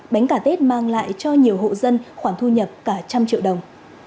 bánh cà tết mang lại cho nhiều hộ dân khoảng thu nhập cả trăm triệu đồng